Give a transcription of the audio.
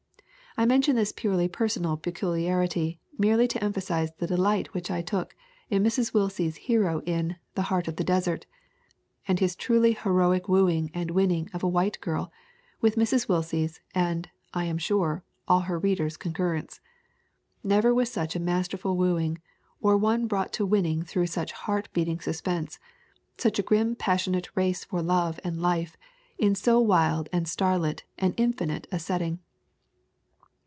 I mention this purely personal pe culiarity, merely to emphasize the delight which I took in Mrs. Willsie's hero in The Heart of the Desert and his truly heroic wooing and winning of a white girl, with Mrs. Willsie's, and, I am sure, all her readers' concurrence. Never was such a masterful wooing, or one brought to winning through such heart beating suspense, such a grim passionate race for love and life in so wild and star lit and infinite a setting."